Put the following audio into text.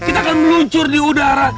kita akan meluncur di udara